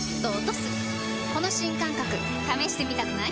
この新感覚試してみたくない？